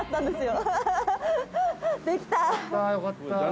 できた！